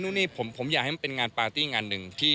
นี่ผมอยากให้มันเป็นงานปาร์ตี้งานหนึ่ง